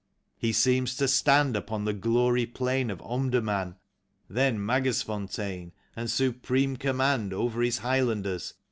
He seems to stand Upon the gory plain of Omdurman. Then ]\Iagersfontein, and supreme command Over his Highlanders.